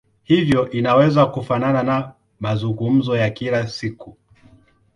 Hivyo inaweza kufanana na mazungumzo ya kila siku.